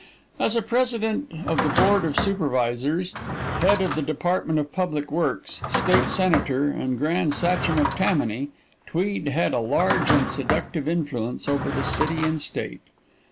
As president of the board of supervisors, head of the department of public works, state senator, and Grand Sachem of Tammany, Tweed had a large and seductive influence over the city and state.